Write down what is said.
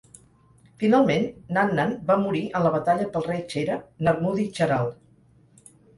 Finalment, "Nannan" va morir en la batalla pel rei Chera, "Narmudi Cheral".